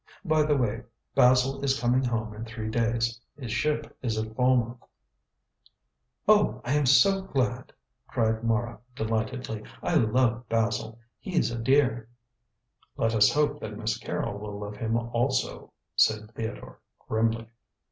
By the way, Basil is coming home in three days. His ship is at Falmouth." "Oh, I am so glad!" cried Mara delightedly. "I love Basil. He's a dear!" "Let us hope that Miss Carrol will love him also," said Theodore grimly.